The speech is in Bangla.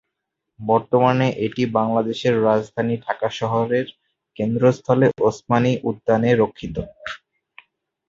বর্তমানে এটি বাংলাদেশের রাজধানী ঢাকা শহরের কেন্দ্রস্থলে ওসমানী উদ্যানে রক্ষিত।